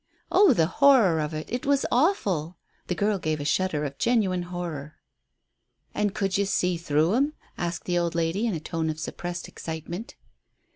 Oh, the horror of it it was awful," and the girl gave a shudder of genuine horror. "And could you see through 'em?" asked the old lady, in a tone of suppressed excitement.